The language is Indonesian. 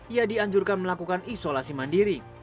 ia dianjurkan melakukan isolasi mandiri